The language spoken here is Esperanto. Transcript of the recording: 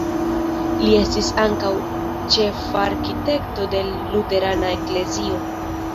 Li estis ankaŭ ĉefarkitekto de luterana eklezio.